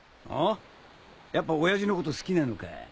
ん？やっぱ親父のこと好きなのか？